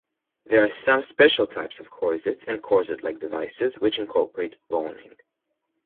There are some special types of corsets and corset-like devices which incorporate boning.